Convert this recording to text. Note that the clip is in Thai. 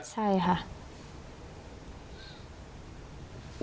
ใช่ค่ะ